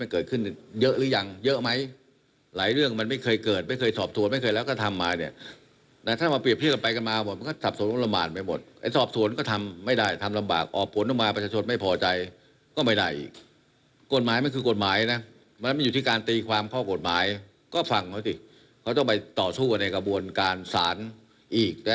เขาต้องไปต่อสู้กันในกระบวนการศาลอีก